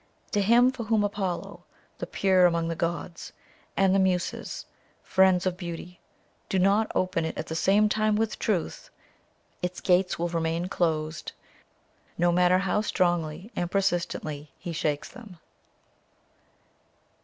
To him for whom Apollo, the pure among the gods, and the Muses, friends of beauty, do not open it at the same time with truth, its gates will remain closed, no matter how strongly and persistently he shakes them."